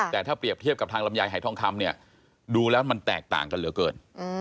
แต่ถ้าเปรียบเทียบกับทางลำไยหายทองคำเนี่ยดูแล้วมันแตกต่างกันเหลือเกิน